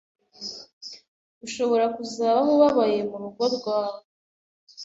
ushobora kuzabaho ubabaye mu rugo rwawe